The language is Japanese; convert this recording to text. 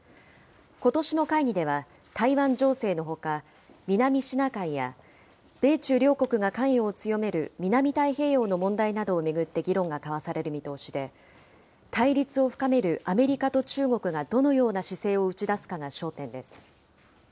ことしの会議では、台湾情勢のほか、南シナ海や米中両国が関与を強める南太平洋の問題などを巡って議論が交わされる見通しで、対立を深めるアメリカと中国がどのような姿勢を打ち出すかが焦点です。